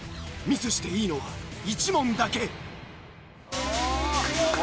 ミスしていいのは１問だけ。